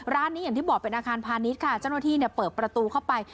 ร้านนี้อย่างที่บอกเป็นอาคารพาณิชย์ค่ะเจ้าหน้าที่เปิดประตูเข้าไป